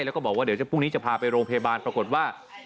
แล้วก็บอกว่าเดี๋ยวพรุ่งนี้จะพาไปโรงพยาบาลปรากฏว่า